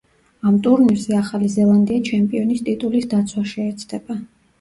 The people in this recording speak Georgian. ამ ტურნირზე ახალი ზელანდია ჩემპიონის ტიტულის დაცვას შეეცდება.